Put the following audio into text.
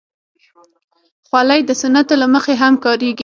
خولۍ د سنتو له مخې هم کارېږي.